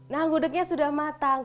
nah gudegnya sudah matang